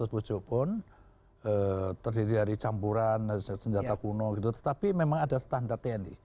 pucuk pun terdiri dari campuran senjata kuno gitu tetapi memang ada standar tni